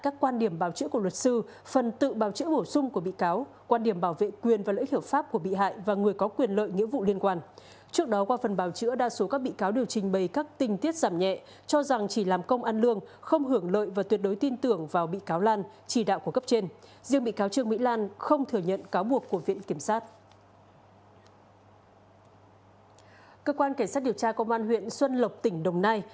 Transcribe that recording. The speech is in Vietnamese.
cơ quan cảnh sát điều tra công an huyện xuân lộc tỉnh đồng nai